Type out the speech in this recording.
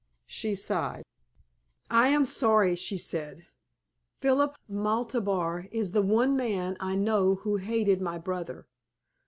She sighed. "I am sorry," she said. "Philip Maltabar is the one man I know who hated my brother.